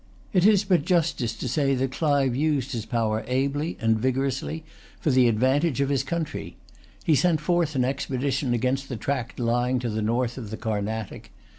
It is but justice to say that Clive used his power ably and vigorously for the advantage of his country. He sent forth an expedition against the tract lying to the north of the Carnatic.